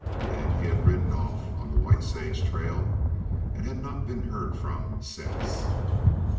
Then he had ridden off on the White Sage trail and had not been heard from since.